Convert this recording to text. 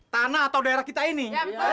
tanah atau daerah kita ini